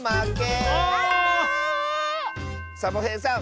サボへいさん